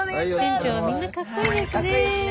船長はみんなかっこいいですね。